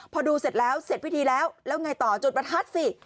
พอดูเสร็จแล้วเสร็จพิธีแล้วแล้วไงต่อจุดประทัดสิ